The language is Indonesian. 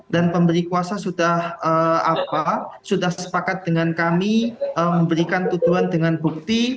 dan pemberi kuasa sudah sepakat dengan kami memberikan tuduhan dengan bukti